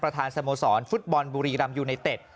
สโมสรฟุตบอลบุรีรำยูไนเต็ด